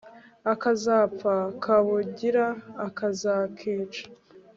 akazapfa kabungira akazakica